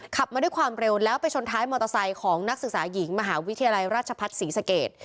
ขับมาด้วยความเร็วแล้วไปชนท้ายมอเตอร์ไซค์ของนักศึกษาหญิงมหาวิทยาลัยราชพัฒน์ศรีสเกต